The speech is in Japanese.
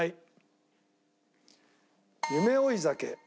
『夢追い酒』